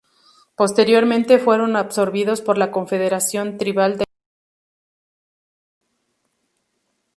Posteriormente fueron absorbidos por la confederación tribal de los francos.